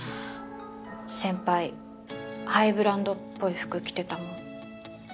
先輩ハイブランドっぽい服着てたもん。